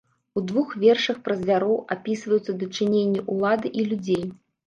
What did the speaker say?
У двух вершах пра звяроў апісваюцца дачыненні ўлады і людзей.